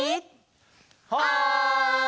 はい！